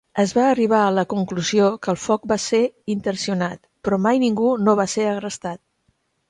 Es va arribar a la conclusió que el foc va ser intencionat, però mai ningú no va ser arrestat.